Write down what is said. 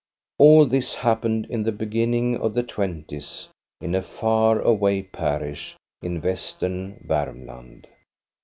All this happened in the beginning of the twenties in a far a way parish in Western Varmland.